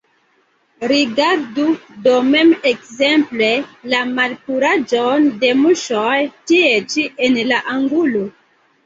Rigardu do mem ekzemple la malpuraĵon de muŝoj tie ĉi en la angulo.